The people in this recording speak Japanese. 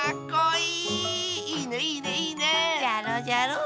じゃろじゃろ？